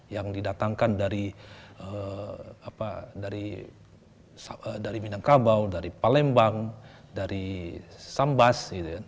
yang didatangkan dari minangkabau dari palembang dari sambas